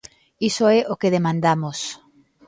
Iso é o que demandamos.